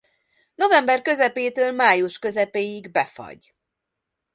November közepétől május közepéig befagy.